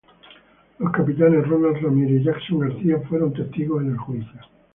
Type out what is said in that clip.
Los capitanes Ronald Ramírez y Jackson García fueron testigos en el juicio.